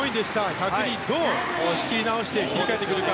１００で、どう仕切り直して切り替えてくるか。